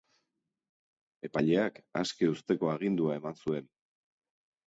Epaileak aske uzteko agindua eman zuen.